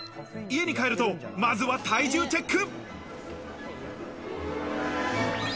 家に帰るとまずは体重チェック。